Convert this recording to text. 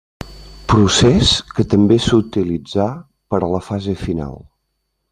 Procés que també s'utilitzà per a la fase final.